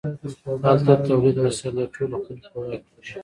هلته د تولید وسایل د ټولو خلکو په واک کې وي.